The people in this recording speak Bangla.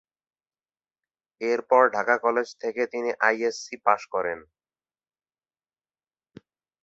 এর পর ঢাকা কলেজ থেকে তিনি আইএসসি পাশ করেন।